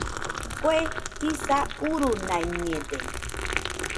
Kue jisa urunaiñede